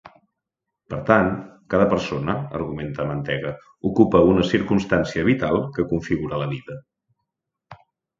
Per tant, cada persona, argumenta Mantega, ocupa una circumstància vital que configura la vida.